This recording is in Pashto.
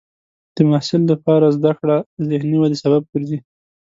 د محصل لپاره زده کړه د ذهني ودې سبب ګرځي.